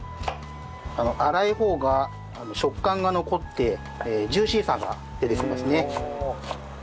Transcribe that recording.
粗い方が食感が残ってジューシーさが出てきますね。